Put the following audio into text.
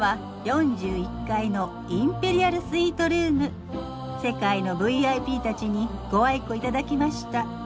こちらは世界のＶＩＰたちにご愛顧頂きました。